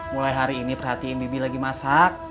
mulai hari ini perhatiin bibi lagi masak